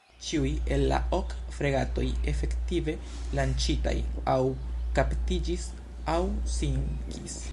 Ĉiuj el la ok fregatoj efektive lanĉitaj aŭ kaptiĝis aŭ sinkis.